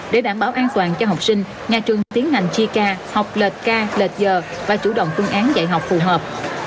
để đảm bảo an toàn cho học sinh nhà trường tiến ngành chi ca học lệch ca lệch giờ và chủ động tương án dạy học phù hợp